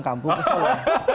kampung ke solo